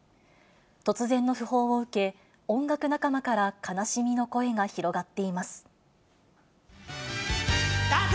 突然の訃報を受け、音楽仲間から悲しみの声が広がっています。